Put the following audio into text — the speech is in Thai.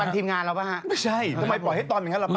ทำไมปล่อยให้ตอนแบ่งคันล่ะบ้า